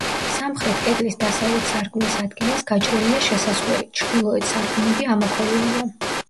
სამხრეთ კედლის დასავლეთ სარკმლის ადგილას გაჭრილია შესასვლელი, ჩრდილოეთ სარკმლები ამოქოლილია.